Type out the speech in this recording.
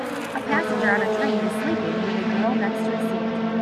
A passenger on a train is sleeping with a girl next to his seat.